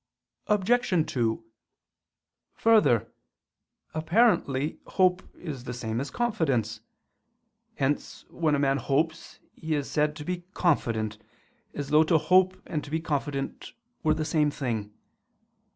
Obj. 2: Further, apparently hope is the same as confidence; hence when a man hopes he is said to be confident, as though to hope and to be confident were the same thing.